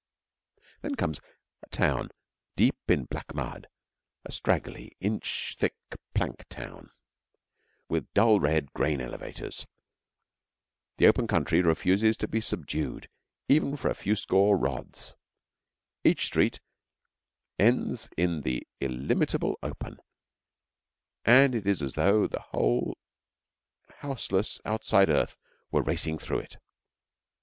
Then comes a town deep in black mud a straggly, inch thick plank town, with dull red grain elevators. The open country refuses to be subdued even for a few score rods. Each street ends in the illimitable open, and it is as though the whole houseless, outside earth were racing through it.